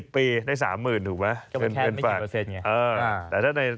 ๑๐ปีได้๓๐๐๐๐ถูกไหม